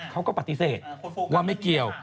เขาก็ปฏิเสธว่าไม่เกี่ยว